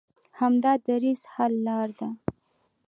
همدا دریځ حل لاره ده.